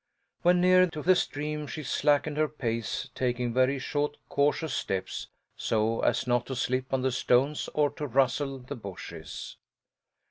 When near to the stream she slackened her pace, taking very short cautious steps so as not to slip on the stones or to rustle the bushes.